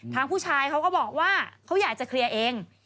ผู้ชายเขาก็บอกว่าเขาอยากจะเคลียร์เอง